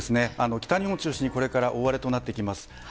北日本を中心にこれから大荒れとなってきます。